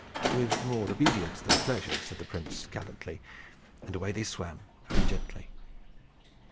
"With more obedience than pleasure," said the prince, gallantly; and away they swam, very gently.